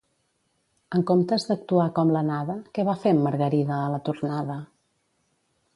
En comptes d'actuar com l'anada, què va fer amb Margarida a la tornada?